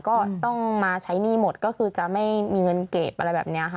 ก็ต้องมาใช้หนี้หมดก็คือจะไม่มีเงินเก็บอะไรแบบนี้ค่ะ